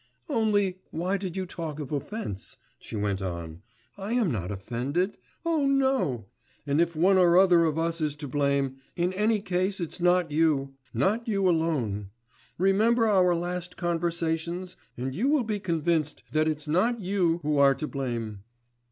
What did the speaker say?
'Only, why did you talk of offence?' she went on. 'I am not offended ... oh, no! and if one or other of us is to blame, in any case it's not you; not you alone.... Remember our last conversations, and you will be convinced that it's not you who are to blame.